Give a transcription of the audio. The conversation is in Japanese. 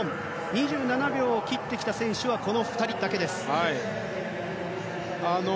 ２７秒を切ってきた選手はこの２人だけです。